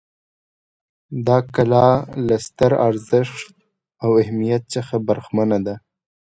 دا کلا له ستر ارزښت او اهمیت څخه برخمنه ده.